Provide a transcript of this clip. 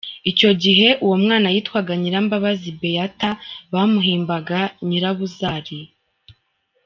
Icyo gihe uwo mwana yitwaga Nyirambabazi Beata bamuhimba Nyirabuzari.